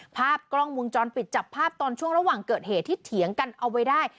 ภาพกล้องวงจรปิดจับภาพตอนช่วงระหว่างเกิดเหตุที่เถียงกันเอาไว้ได้